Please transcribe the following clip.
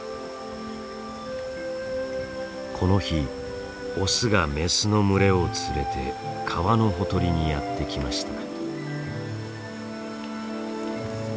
この日オスがメスの群れを連れて川のほとりにやって来ました。